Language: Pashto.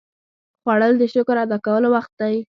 خوړل د شکر ادا کولو وخت دی